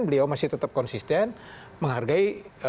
beliau masih tetap konsisten menghargai